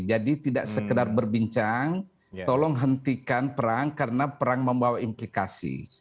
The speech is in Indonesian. tidak sekedar berbincang tolong hentikan perang karena perang membawa implikasi